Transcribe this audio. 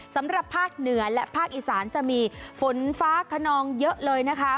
สำหรับภาคเหนือและภาคอีสานจะมีฝนฟ้าขนองเยอะเลยนะคะ